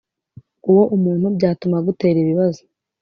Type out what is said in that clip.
uwo umuntu byatuma agutera ibibaz.